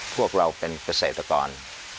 พวกเราเป็นเกษตรกร